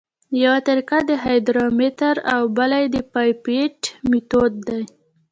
یوه طریقه د هایدرامتر او بله د پیپیټ میتود دی